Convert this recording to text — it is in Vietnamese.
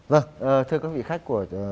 vâng thưa các vị khách của